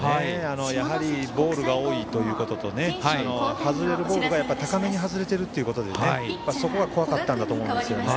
ボールが多いということと外れるボールが高めに外れているということでそこが怖かったんだと思いますね。